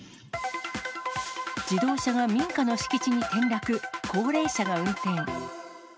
自動車が民家の敷地に転落、高齢者が運転。